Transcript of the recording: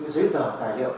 giấy tờ tài liệu